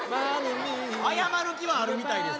謝る気はあるみたいです。